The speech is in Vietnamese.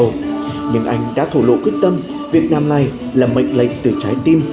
nhưng anh đã thủ lộ quyết tâm việt nam này là mệnh lệnh từ trái tim